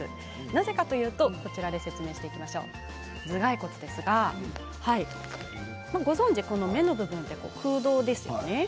なぜかというと頭蓋骨ですがご存じ、目の部分、空洞ですよね。